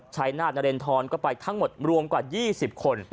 ชัยนาธนเรนทรก็ไปทั้งหมดรวมกว่า๒๐คน